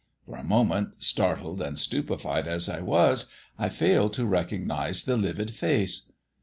For a moment, startled and stupefied as I was, I failed to recognise the livid face.